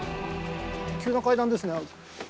急な階段ですね。